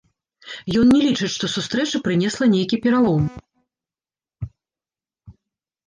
Ён не лічыць, што сустрэча прынесла нейкі пералом.